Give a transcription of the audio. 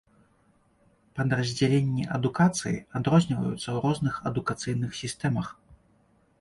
Падраздзяленні адукацыі адрозніваюцца ў розных адукацыйных сістэмах.